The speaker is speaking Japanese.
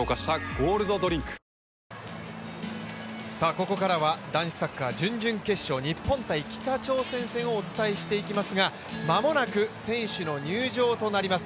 ここからは男子サッカー準々決勝、日本対北朝鮮戦をお伝えしていきますが間もなく選手の入場となります。